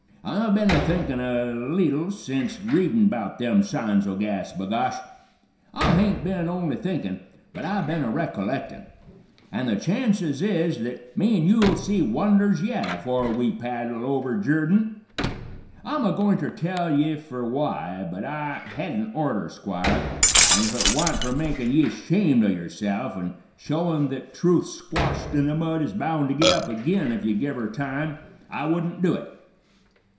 "I've been a thinkin' a leetle sence readin' 'bout them signs o' gas, b'gosh! I hain't been only thinkin', but I've been a recollectin', an' the chances is th't me an' you'll see wonders yet afore we paddle over Jurdan. I'm a gointer tell ye fer w'y, but I hadn't orter, Squire, an' if it wa'n't fer makin' ye 'shamed o' yerself, an' showin' th't truth squashed in the mud is bound to git up agin if ye give her time, I wouldn't do it.